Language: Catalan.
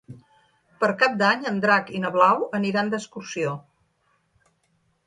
Per Cap d'Any en Drac i na Blau aniran d'excursió.